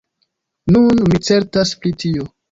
Nun mi certas pri tio.